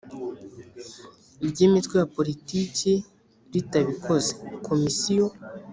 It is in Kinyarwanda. Ry imitwe ya politiki ritabikoze komisiyo